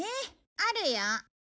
あるよ。